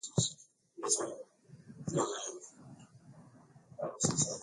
Alpofika kwenye mlango wa chumbani kwake alisita